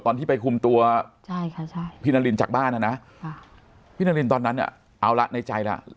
ตอนที่ไปคุมตัวพี่นารินจากบ้านนะนะพี่นารินตอนนั้นเอาละในใจแล้ว